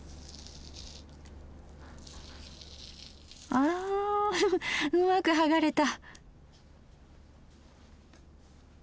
うんうまく剥がれた！